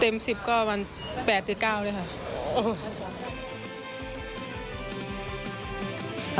เต็ม๑๐ก็๘๙นะครับ